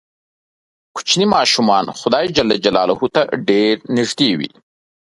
کوچني ماشومان خدای ته ډېر نږدې وي.